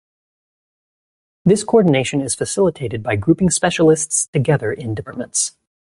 This coordination is facilitated by grouping specialists together in departments.